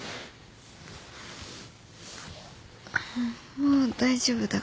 もう大丈夫だから。